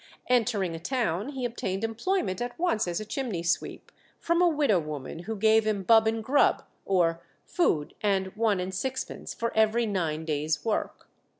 Entering a town, he obtained employment at once as a chimney sweep from a widow woman, who gave him "bub and grub," or food and one and sixpence, for every nine days' work.